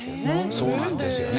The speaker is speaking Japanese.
そうなんですよね。